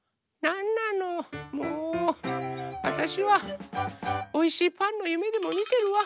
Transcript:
あたしはおいしいパンのゆめでもみてるわ。